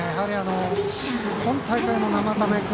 今大会の生田目君